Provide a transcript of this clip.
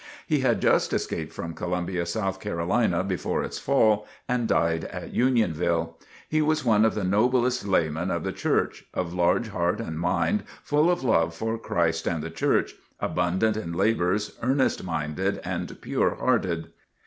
He had just escaped from Columbia, South Carolina, before its fall, and died at Unionville. He was one of the noblest laymen of the Church, of large heart and mind, full of love for Christ and the Church, abundant in labors, earnest minded and pure hearted.